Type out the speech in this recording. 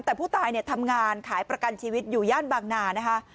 แต่ผู้ตายเนี่ยทำงานขายประกันชีวิตอยู่ย่านบางนานะคะ